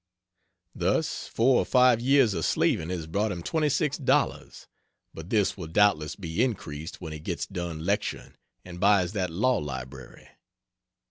Thus four or five years of slaving has brought him $26, but this will doubtless be increased when he gets done lecturing and buys that "law library."